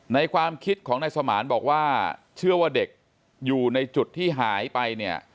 ในความคิดของนายสมานบอกว่าเชื่อว่าเด็กอยู่ในจุดที่หายไปเนี่ย